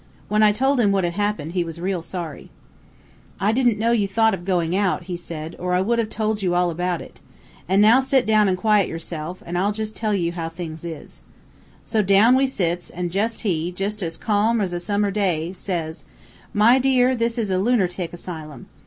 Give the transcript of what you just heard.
When I told him what had happened, he was real sorry. "'I didn't know you thought of going out,' he said, 'or I would have told you all about it. An' now sit down an' quiet yourself, an' I'll tell you jus' how things is.' So down we sits, an' says he, jus' as carm as a summer cloud, 'My dear, this is a lunertic asylum.